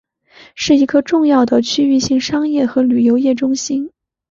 是一个重要的区域性商业和旅游业中心。